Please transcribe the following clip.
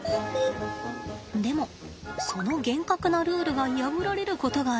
でもその厳格なルールが破られることがあります。